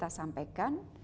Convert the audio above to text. yang kita sampaikan